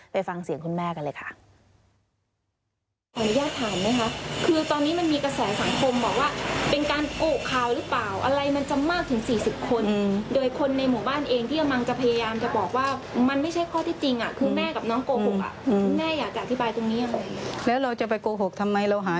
ฟังเสียงคุณแม่กันเลยค่ะ